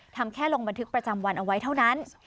ทำแค่ลงบันทึกประจำวันเอาไว้เท่านั้น